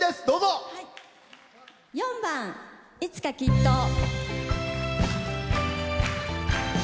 ４番「いつかきっと」。